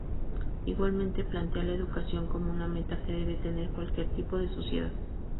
Igualmente, plantea la educación como una meta que debe tener cualquier tipo de sociedad.